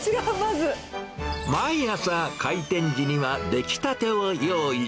毎朝、開店時には出来たてを用意。